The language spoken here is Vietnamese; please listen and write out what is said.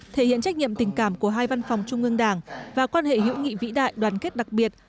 thể hiện trách nhiệm tình cảm của hai văn phòng trung ương đảng và quan hệ hữu nghị vĩ đại đoàn kết đặc biệt